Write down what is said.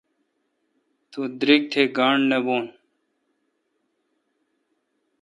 تو درگ تھ گاݨڈ نہ بھو۔